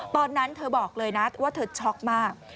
ตอนนั้นเธอบอกเลยนะว่าเธอช็อกมาก